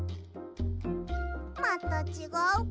またちがうか。